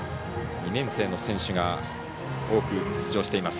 ２年生の選手が多く出場しています。